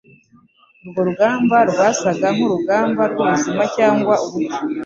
Urwo rugamba rwasaga nkurugamba rwubuzima cyangwa urupfu.